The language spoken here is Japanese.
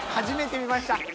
初めて見ました。